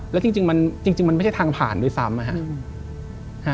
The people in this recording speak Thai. และจริงมันไม่ใช่ทางผ่านด้วยซ้ำ